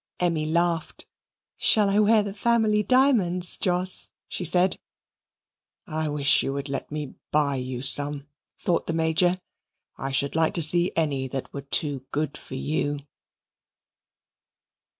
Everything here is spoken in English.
Emmy laughed. "Shall I wear the family diamonds, Jos?" she said. "I wish you would let me buy you some," thought the Major. "I should like to see any that were too good for you."